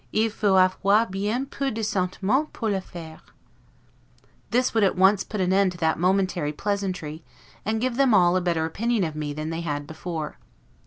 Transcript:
Il faut avoir bien peu de sentimens pour le faire'. This would at once put an end to that momentary pleasantry, and give them all a better opinion of me than they had before.